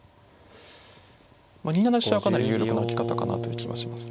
まあ２七飛車はかなり有力な受け方かなという気はします。